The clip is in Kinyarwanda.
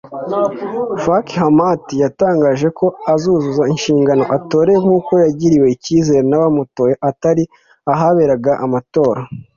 Faki Mahamat yatangaje ko azuzuza inshingano atorewe nkuko yagiriwe icyizere n’abamutoye atari ahaberaga amatora